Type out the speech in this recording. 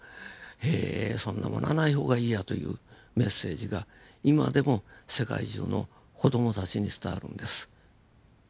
えそんなものはない方がいいやというメッセージが今でも世界中の子供たちに伝わるんです。